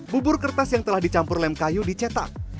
bubur kertas yang telah dicampur lem kayu dicetak